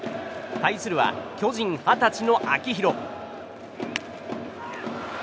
対するは巨人、二十歳の秋広。